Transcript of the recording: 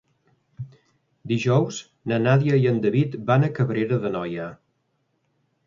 Dijous na Nàdia i en David van a Cabrera d'Anoia.